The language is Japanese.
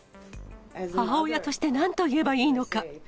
母親としてなんと言えばいいのか。